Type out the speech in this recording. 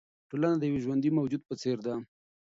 ټولنه د یوه ژوندي موجود په څېر ده.